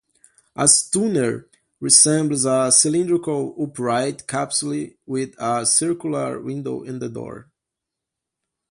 A stoner resembles a cylindrical upright capsule with a circular window in the door.